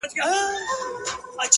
اوس لا د گرانښت څو ټكي پـاتــه دي.!